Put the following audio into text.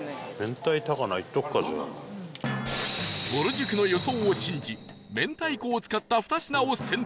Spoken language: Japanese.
ぼる塾の予想を信じ明太子を使った２品を選択